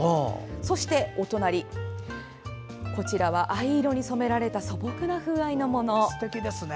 そして、お隣は藍色に染められた素朴な風合いのもの。